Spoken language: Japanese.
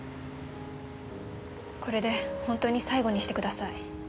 これで本当に最後にしてください。